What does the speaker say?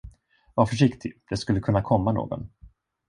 Var försiktig, det skulle kunna komma någon.